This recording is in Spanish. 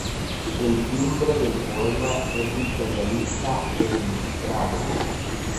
El timbre del poema es imperialista e ilustrado.